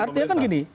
artinya kan gini